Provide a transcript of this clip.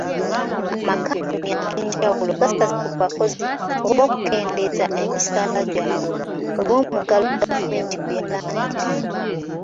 Amakampuni ag'enjawulo gasaze ku bakozi oba okukendeeza emisaala gyabwe olw'omuggalo gavumenti gwe yalangirira.